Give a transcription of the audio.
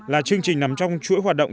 là chương trình nằm trong chuỗi hoạt động